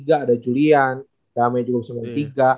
ada julian dame juga bisa main tiga